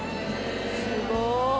すごい。